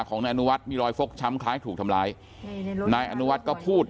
ของนายอนุวัฒน์มีรอยฟกช้ำคล้ายถูกทำร้ายนายอนุวัฒน์ก็พูด